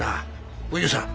お夕さん。